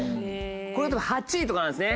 これはたぶん８位とかなんですね